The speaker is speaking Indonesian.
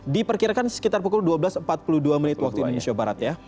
diperkirakan sekitar pukul dua belas empat puluh dua menit waktu indonesia barat ya